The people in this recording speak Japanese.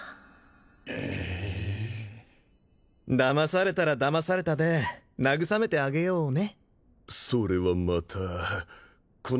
ええだまされたらだまされたで慰めてあげようね